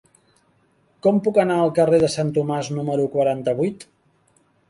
Com puc anar al carrer de Sant Tomàs número quaranta-vuit?